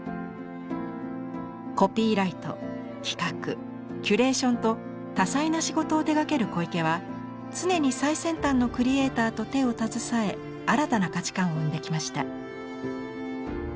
コピーライト企画キュレーションと多彩な仕事を手がける小池は常に最先端のクリエイターと手を携え新たな価値観を生んできました。